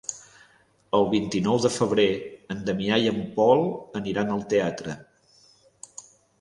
El vint-i-nou de febrer en Damià i en Pol aniran al teatre.